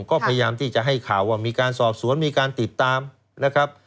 ก็พยายามที่จะให้ข่าวว่ามีการสอบสวนมีการติดตามนะครับ